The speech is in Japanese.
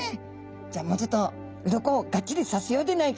「じゃあもうちょっとうろこをガッチリさせようでないか」。